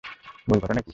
মূল ঘটনা কী?